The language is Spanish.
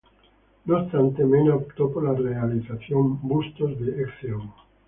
No obstante, Mena optó por la realización bustos de "Ecce Homo".